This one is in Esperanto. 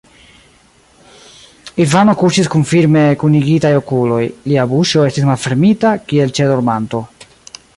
Ivano kuŝis kun firme kunigitaj okuloj; lia buŝo estis malfermita, kiel ĉe dormanto.